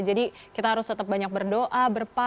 jadi kita harus tetap banyak berdoa